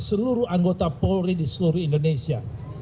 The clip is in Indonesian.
seluruh anggota polri di seluruh indonesia